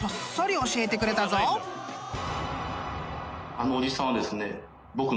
あのおじさんはですね。